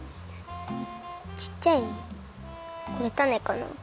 ちっちゃいこれタネかな？